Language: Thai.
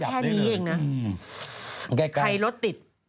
ใครรถติด